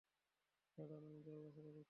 দাঁড়ান, আমি দরজা খুলে দিচ্ছি।